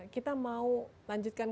kita mau lanjutkan kembali